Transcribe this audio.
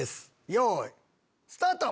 よいスタート！